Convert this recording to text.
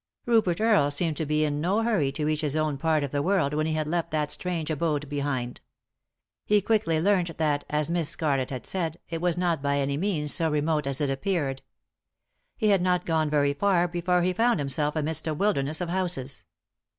Rupert Earle seemed to be in no hurry to reach his own part of the world when he had left that strange abode behind. He quickly learnt that, as Miss Scarlett had said, it was not by any means so remote as it appeared. He had not gone very hi before he found himself amidst a wilderness of houses.